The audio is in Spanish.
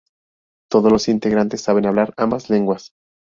Todos los integrantes saben hablar ambas lenguas.